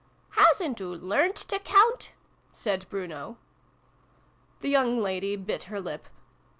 " Hasn't oo learnt to count ?" said Bruno. The young lady bit her lip.